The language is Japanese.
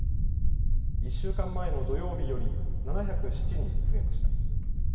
１週間前の土曜日より７０７人増えました。